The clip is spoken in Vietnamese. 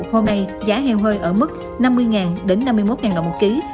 hôm nay giá heo hơi ở mức năm mươi đồng đến năm mươi một đồng một kg